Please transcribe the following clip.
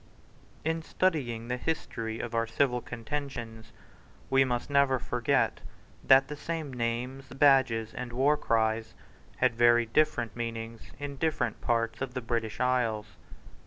In studying the history of our civil contentions, we must never forget that the same names, badges, and warcries had very different meanings in different parts of the British isles.